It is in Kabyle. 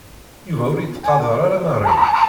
Yuba ur yettqadeṛ ara Mary.